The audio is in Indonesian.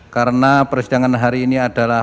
karena persidangan hari ini adalah